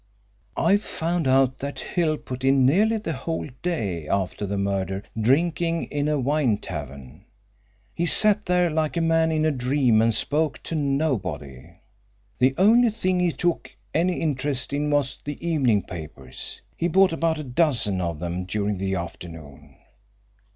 "I've found out that Hill put in nearly the whole day after the murder drinking in a wine tavern. He sat there like a man in a dream and spoke to nobody. The only thing he took any interest in was the evening papers. He bought about a dozen of them during the afternoon."